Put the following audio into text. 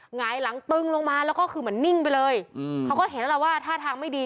หงายหลังตึงลงมาแล้วก็คือเหมือนนิ่งไปเลยอืมเขาก็เห็นแล้วล่ะว่าท่าทางไม่ดี